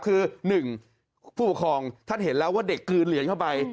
คือ๑ผู้ปกครองท่านเห็นแล้วว่าเด็กกลืนเหรียญเข้าไป